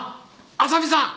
浅見さん！